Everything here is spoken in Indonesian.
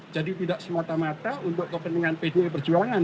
jadi tidak semata mata untuk kepentingan bdi perjuangan